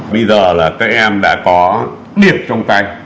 bây giờ là các em đã có điểm trong tay